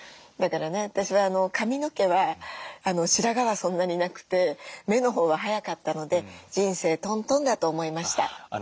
だからね私は髪の毛は白髪はそんなになくて目のほうは早かったので人生トントンだと思いました。